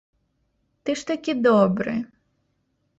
Ты ж такі добры.